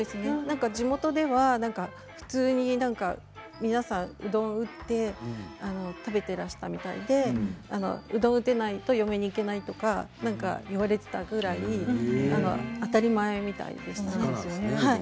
地元では普通に皆さん、うどんを打って食べていらしたみたいでうどんを打てないと嫁にいけないとか言われていたくらい当たり前みたいでしたね。